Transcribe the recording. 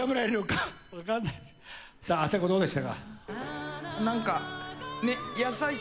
あさこどうでしたか？